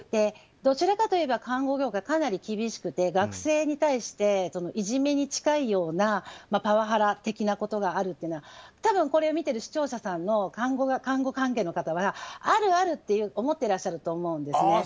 どちらかといえば看護業はかなり厳しくて学生に対していじめに近いようなパワハラ的なことがあるというのは多分、これを見てる視聴者さんの看護関係の方はあるあるって思ってらっしゃると思います。